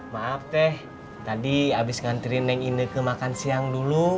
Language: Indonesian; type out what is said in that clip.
maaf teh tadi habis ngantri neng ineke makan siang dulu